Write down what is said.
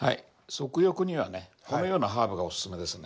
足浴にはねこのようなハーブがおすすめですね。